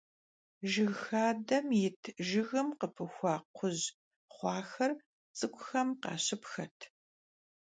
Jjıg xadem yit jjıgım khıpıxua kxhuj xhuaxer ts'ık'uxem khaşıpxet.